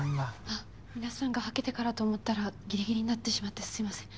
あ皆さんがはけてからと思ったらギリギリになってしまってすいません。